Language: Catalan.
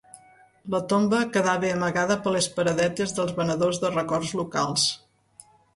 La tomba quedava amagada per les paradetes dels venedors de records locals.